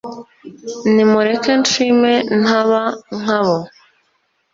nimureke nshime ntaba nk'abo